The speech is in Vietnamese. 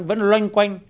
vẫn loanh quanh